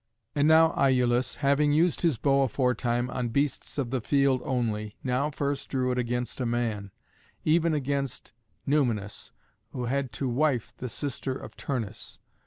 And now Iülus, having used his bow aforetime on beasts of the field only, now first drew it against a man, even against Numanus, who had to wife the sister of Turnus.